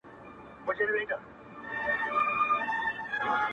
چي زه تورنه ته تورن سې گرانه _